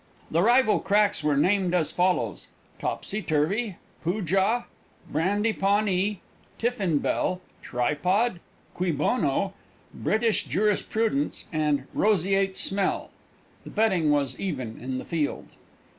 The rival cracks were named as follows: Topsy Turvey, Poojah, Brandy Pawnee, Tiffin Bell, Tripod, Cui Bono, British Jurisprudence and Roseate Smell. The betting was even on the field.